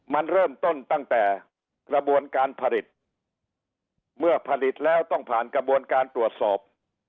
มันเริ่มต้นตั้งแต่กระบวนการผลิตเมื่อผลิตแล้วต้องผ่านกระบวนการตรวจสอบ